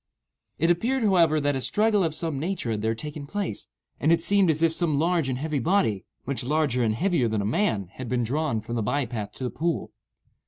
It appeared, however, that a struggle of some nature had here taken place, and it seemed as if some large and heavy body, much larger and heavier than a man, had been drawn from the by path to the pool.